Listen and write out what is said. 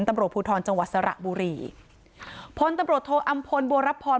ตำรวจภูทรจังหวัดสระบุรีพลตำรวจโทอำพลบัวรับพร